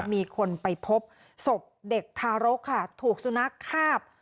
มีคนไปพบศพเด็กทารกค่ะถูกสุนัขคาบ